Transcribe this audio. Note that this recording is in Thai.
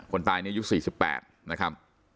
คนตายในยุค๔๘นะครับ